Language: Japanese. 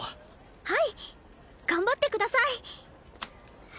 はい！頑張ってください！